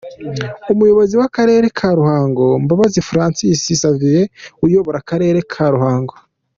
Umuyobozi w’ akarere ka Ruhango, Mbabazi Froncois Xavier uyobora Akarere ka Ruhango.